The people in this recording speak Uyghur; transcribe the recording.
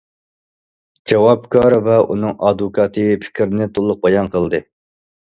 جاۋابكار ۋە ئۇنىڭ ئادۋوكاتى پىكرىنى تولۇق بايان قىلدى.